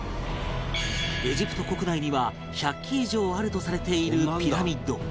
エジプト国内には１００基以上あるとされているピラミッド